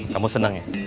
kamu seneng ya